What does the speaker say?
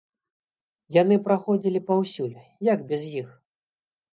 Яны праходзілі паўсюль, як без іх?